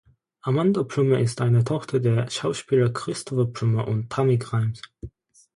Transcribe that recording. Amanda Plummer ist eine Tochter der Schauspieler Christopher Plummer und Tammy Grimes.